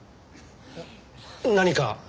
何か？